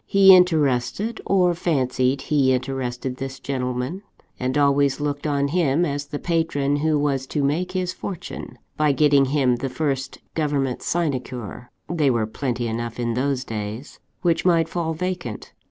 He interested, or fancied he interested, this gentleman; and always looked on him as the patron who was to make his fortune, by getting him the first government sinecure (they were plenty enough in those days!) which might fall vacant.